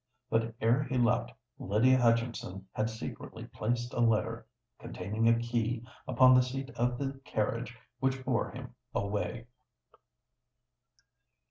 But ere he left, Lydia Hutchinson had secretly placed a letter, containing a key, upon the seat of the carriage which bore him away.